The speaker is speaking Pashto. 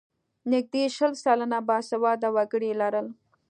نږدې شل سلنه باسواده وګړي یې لرل.